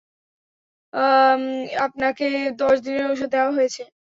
আপনাকে দশ দিনের ঔষধ দেওয়া হয়েছে।